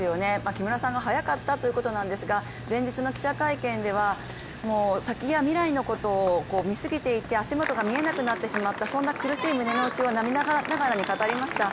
木村さんがはやかったということなんですが、前日の記者会見では、先や未来のことを見過ぎていて足元が見えなくなってしまった、そんな苦しい胸の内を涙ながらに語りました。